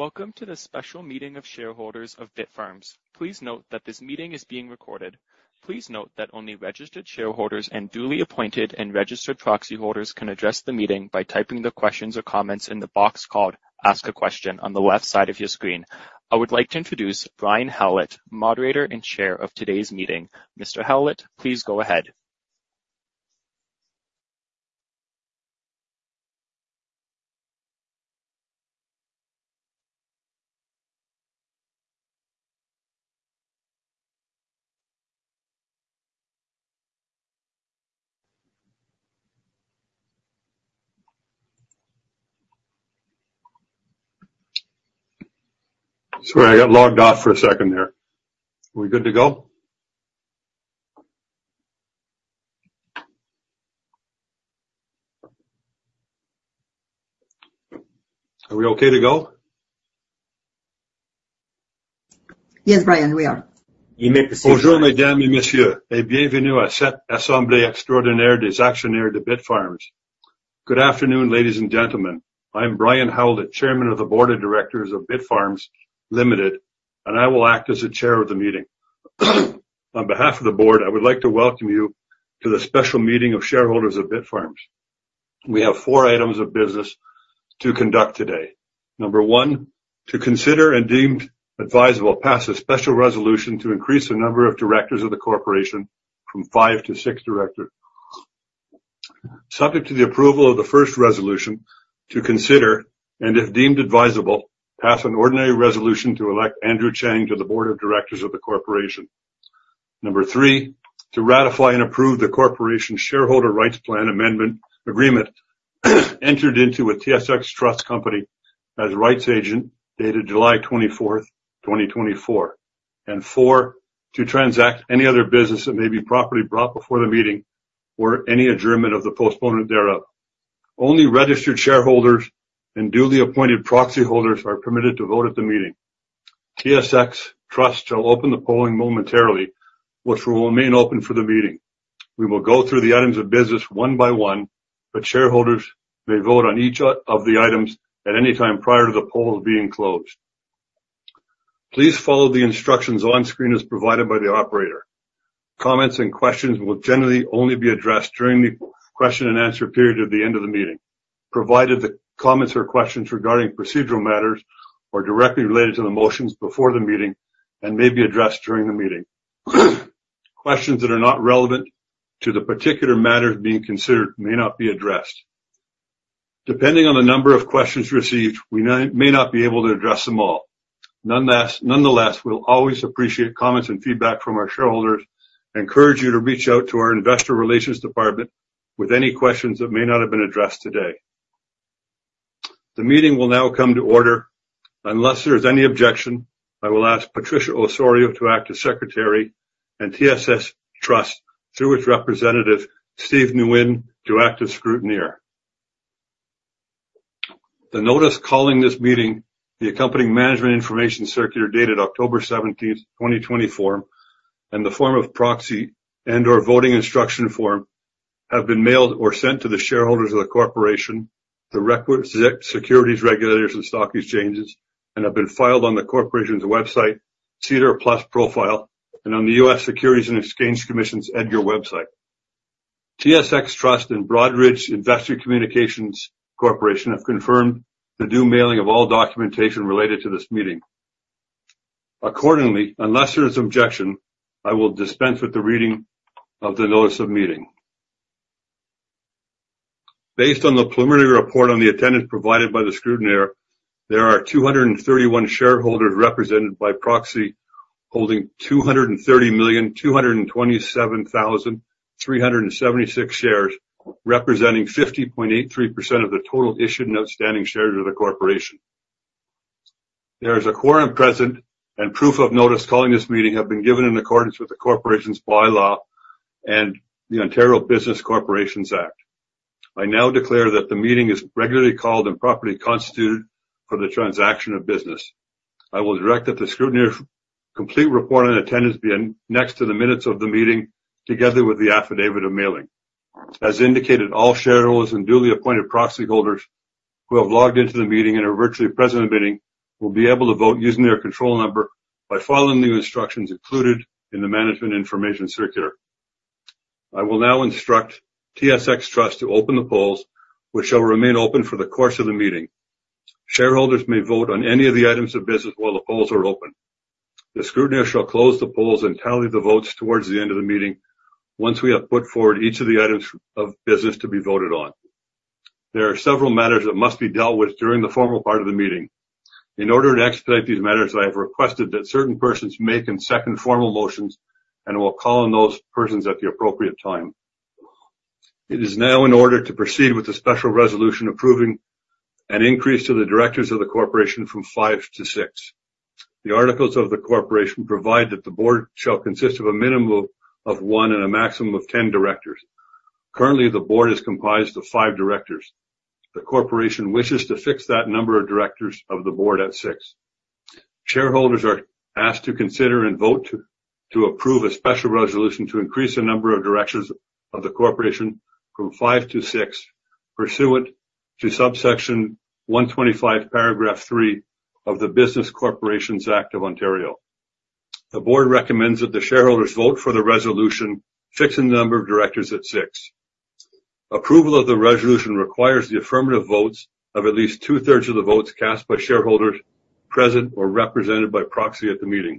Welcome to the special meeting of shareholders of Keel Infrastructure. Please note that this meeting is being recorded. Please note that only registered shareholders and duly appointed and registered proxy holders can address the meeting by typing the questions or comments in the box called Ask a Question on the left side of your screen. I would like to introduce Brian Howlett, moderator and chair of today's meeting. Mr. Howlett, please go ahead. Sorry, I got logged off for a second there. Are we good to go? Are we okay to go? Yes, Brian, we are. You may proceed, Brian. Good afternoon, ladies and gentlemen. I'm Brian Howlett, Chairman of the Board of Directors of Bitfarms Ltd., and I will act as the chair of the meeting. On behalf of the board, I would like to welcome you to the special meeting of shareholders of Bitfarms. We have four items of business to conduct today. Number one, to consider and deemed advisable, pass a special resolution to increase the number of directors of the corporation from five to six directors. Subject to the approval of the first resolution to consider and, if deemed advisable, pass an ordinary resolution to elect Andrew J. Chang to the Board of Directors of the corporation. Number three, to ratify and approve the corporation shareholder rights plan amendment agreement entered into with TSX Trust Company as rights agent, dated July 24th, 2024. Four, to transact any other business that may be properly brought before the meeting or any adjournment of the postponement thereof. Only registered shareholders and duly appointed proxy holders are permitted to vote at the meeting. TSX Trust shall open the polling momentarily, which will remain open for the meeting. We will go through the items of business one by one. Shareholders may vote on each of the items at any time prior to the poll being closed. Please follow the instructions on screen as provided by the operator. Comments and questions will generally only be addressed during the question and answer period at the end of the meeting, provided the comments or questions regarding procedural matters are directly related to the motions before the meeting and may be addressed during the meeting. Questions that are not relevant to the particular matters being considered may not be addressed. Depending on the number of questions received, we may not be able to address them all. Nonetheless, we'll always appreciate comments and feedback from our shareholders and encourage you to reach out to our investor relations department with any questions that may not have been addressed today. The meeting will now come to order. Unless there is any objection, I will ask Patricia Osorio to act as secretary and TSX Trust, through its representative, Steve Nguyen, to act as scrutineer. The notice calling this meeting, the accompanying management information circular dated October 17th, 2024, and the form of proxy and/or voting instruction form have been mailed or sent to the shareholders of the corporation, the securities regulators and stock exchanges, and have been filed on the corporation's website, SEDAR+ profile and on the U.S. Securities and Exchange Commission's EDGAR website. TSX Trust and Broadridge Investor Communication Solutions have confirmed the due mailing of all documentation related to this meeting. Accordingly, unless there is objection, I will dispense with the reading of the notice of meeting. Based on the preliminary report on the attendance provided by the scrutineer, there are 231 shareholders represented by proxy holding 230,227,376 shares, representing 50.83% of the total issued and outstanding shares of the corporation. There is a quorum present and proof of notice calling this meeting have been given in accordance with the corporation's bylaw and the Ontario Business Corporations Act. I now declare that the meeting is regularly called and properly constituted for the transaction of business. I will direct that the scrutineer's complete report on attendance be next to the minutes of the meeting, together with the affidavit of mailing. As indicated, all shareholders and duly appointed proxy holders who have logged into the meeting and are virtually present and bidding will be able to vote using their control number by following the instructions included in the management information circular. I will now instruct TSX Trust to open the polls, which shall remain open for the course of the meeting. Shareholders may vote on any of the items of business while the polls are open. The scrutineer shall close the polls and tally the votes towards the end of the meeting once we have put forward each of the items of business to be voted on. There are several matters that must be dealt with during the formal part of the meeting. In order to expedite these matters, I have requested that certain persons make and second formal motions and will call on those persons at the appropriate time. It is now in order to proceed with the special resolution approving an increase to the directors of the corporation from five to six. The articles of the corporation provide that the board shall consist of a minimum of one and a maximum of 10 directors. Currently, the board is comprised of five directors. The corporation wishes to fix that number of directors of the board at six. Shareholders are asked to consider and vote to approve a special resolution to increase the number of directors of the corporation from five to six, pursuant to subsection 125, paragraph three of the Business Corporations Act of Ontario. The board recommends that the shareholders vote for the resolution, fixing the number of directors at six. Approval of the resolution requires the affirmative votes of at least 2/3 of the votes cast by shareholders present or represented by proxy at the meeting.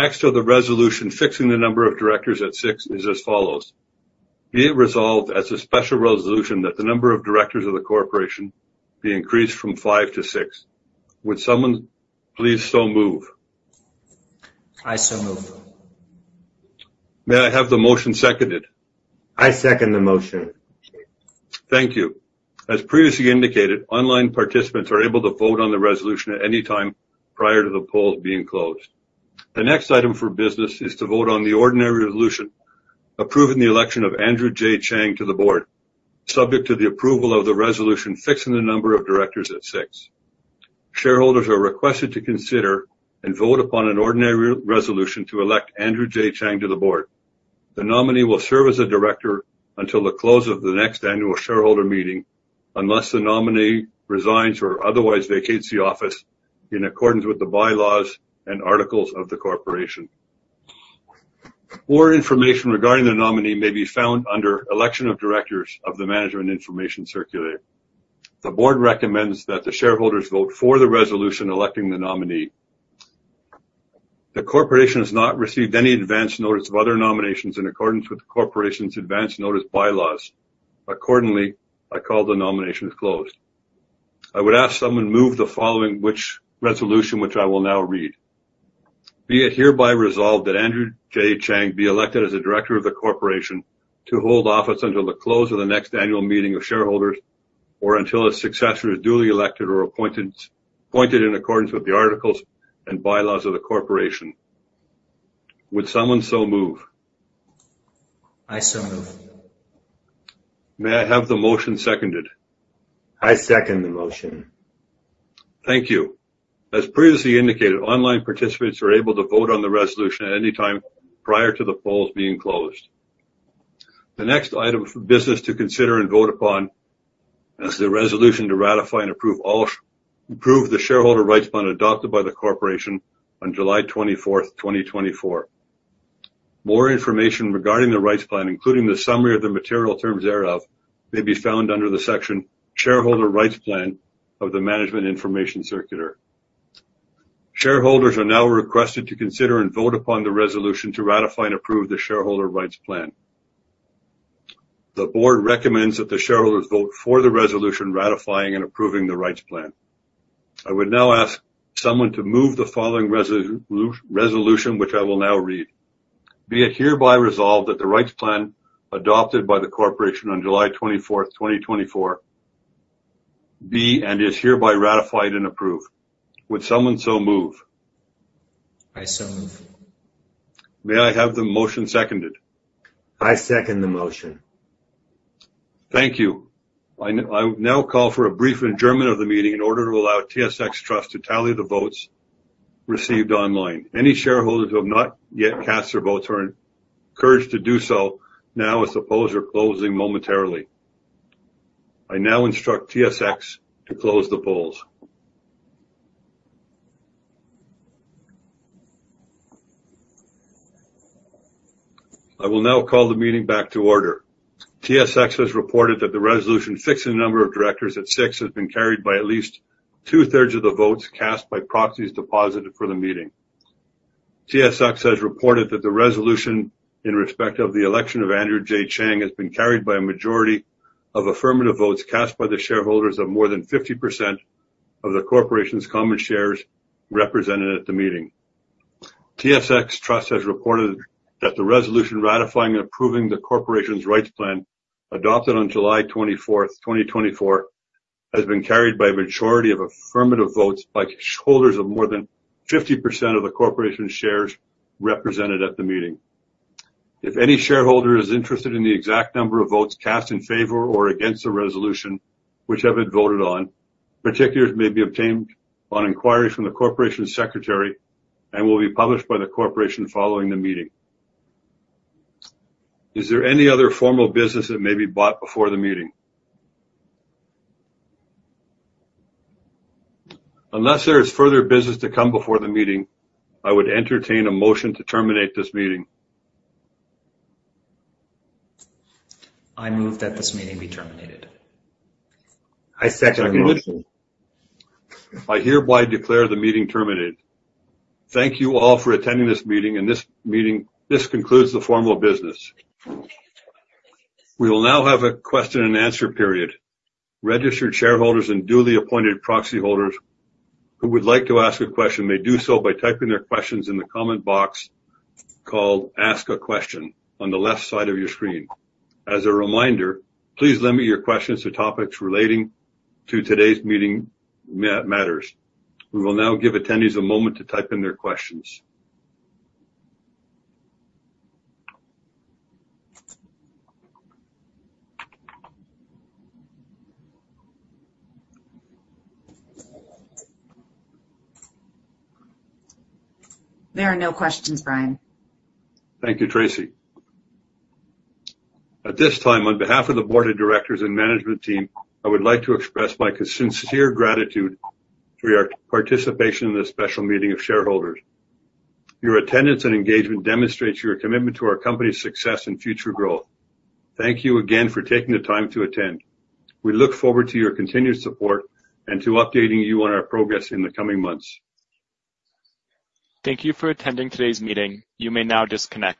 Text of the resolution fixing the number of directors at six is as follows: Be it resolved as a special resolution that the number of directors of the corporation be increased from five to six. Would someone please so move? I so move. May I have the motion seconded? I second the motion. Thank you. As previously indicated, online participants are able to vote on the resolution at any time prior to the poll being closed. The next item for business is to vote on the ordinary resolution approving the election of Andrew J. Chang to the board, subject to the approval of the resolution fixing the number of directors at six. Shareholders are requested to consider and vote upon an ordinary resolution to elect Andrew J. Chang to the board. The nominee will serve as a director until the close of the next annual shareholder meeting, unless the nominee resigns or otherwise vacates the office in accordance with the bylaws and articles of the corporation. More information regarding the nominee may be found under Election of Directors of the Management Information Circular. The board recommends that the shareholders vote for the resolution electing the nominee. The corporation has not received any advance notice of other nominations in accordance with the corporation's advance notice bylaws. Accordingly, I call the nominations closed. I would ask someone move the following which resolution, which I will now read. Be it hereby resolved that Andrew J. Chang be elected as a director of the corporation to hold office until the close of the next annual meeting of shareholders, or until a successor is duly elected or appointed in accordance with the articles and bylaws of the corporation. Would someone so move? I so move. May I have the motion seconded? I second the motion. Thank you. As previously indicated, online participants are able to vote on the resolution at any time prior to the polls being closed. The next item for business to consider and vote upon is the resolution to ratify and approve the Shareholder Rights Plan adopted by the corporation on July 24th, 2024. More information regarding the Rights Plan, including the summary of the material terms thereof, may be found under the section Shareholder Rights Plan of the Management Information Circular. Shareholders are now requested to consider and vote upon the resolution to ratify and approve the shareholder rights plan. The board recommends that the shareholders vote for the resolution ratifying and approving the rights plan. I would now ask someone to move the following resolution, which I will now read. Be it hereby resolved that the rights plan adopted by the corporation on July 24th, 2024, be and is hereby ratified and approved. Would someone so move? I so move. May I have the motion seconded? I second the motion. Thank you. I now call for a brief adjournment of the meeting in order to allow TSX Trust to tally the votes received online. Any shareholders who have not yet cast their votes are encouraged to do so now as the polls are closing momentarily. I now instruct TSX to close the polls. I will now call the meeting back to order. TSX has reported that the resolution fixing the number of directors at six has been carried by at least 2/3 of the votes cast by proxies deposited for the meeting. TSX has reported that the resolution in respect of the election of Andrew J. Chang has been carried by a majority of affirmative votes cast by the shareholders of more than 50% of the corporation's common shares represented at the meeting. TSX Trust has reported that the resolution ratifying and approving the corporation's rights plan, adopted on July 24th, 2024, has been carried by a majority of affirmative votes by shareholders of more than 50% of the corporation's shares represented at the meeting. If any shareholder is interested in the exact number of votes cast in favor or against the resolution whichever it voted on, particulars may be obtained on inquiry from the corporation's secretary and will be published by the corporation following the meeting. Is there any other formal business that may be brought before the meeting? Unless there is further business to come before the meeting, I would entertain a motion to terminate this meeting. I move that this meeting be terminated. I second the motion. I hereby declare the meeting terminated. Thank you all for attending this meeting, and this concludes the formal business. We will now have a question and answer period. Registered shareholders and duly appointed proxy holders who would like to ask a question may do so by typing their questions in the comment box called Ask a Question on the left side of your screen. As a reminder, please limit your questions to topics relating to today's meeting matters. We will now give attendees a moment to type in their questions. There are no questions, Brian. Thank you, Tracy. At this time, on behalf of the board of directors and management team, I would like to express my sincere gratitude for your participation in this special meeting of shareholders. Your attendance and engagement demonstrates your commitment to our company's success and future growth. Thank you again for taking the time to attend. We look forward to your continued support and to updating you on our progress in the coming months. Thank you for attending today's meeting. You may now disconnect.